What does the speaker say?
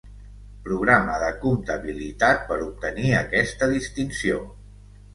Programa de comptabilitat per obtenir aquesta distinció.